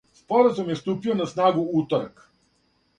Споразум је ступио на снагу у уторак.